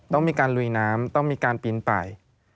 ต้องมีการลุยน้ำต้องมีการปีนไป